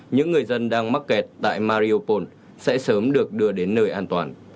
những người dân đang mắc kẹt tại mariopol sẽ sớm được đưa đến nơi an toàn